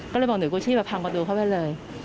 ก็เลยบอกหน่วยกู้ชีพมาพังประตูเข้าไปเลย